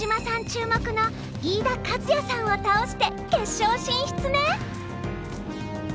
注目の飯田和也さんを倒して決勝進出ね。